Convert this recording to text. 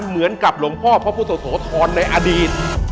เหมือนกับหลวงพ่อพระพุทธโสธรในอดีต